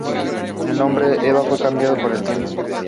El nombre de Eva fue cambiando con el tiempo.